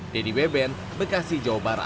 dedy beben bekasi jawa barat